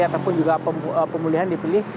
ataupun juga pemulihan dipilih